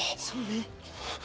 そうね。